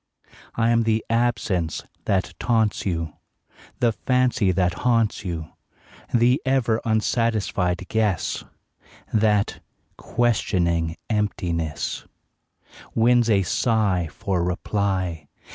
I am the absence that taunts you, The fancy that haunts you; The ever unsatisfied guess That, questioning emptiness, Wins a sigh for reply.